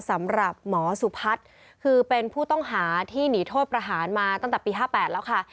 สำหรับหมอสุพัฒน์คือเป็นผู้ต้องหาที่หนีโทษประหารมาตั้งแต่ปี๕๘แล้วค่ะ